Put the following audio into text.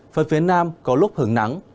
phần phía nam có lúc hứng nắng